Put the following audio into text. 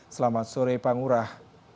selamat sore pak ngurah